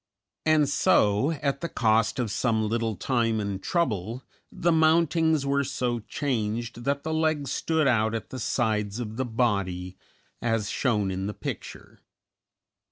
And so, at the cost of some little time and trouble, the mountings were so changed that the legs stood out at the sides of the body, as shown in the picture.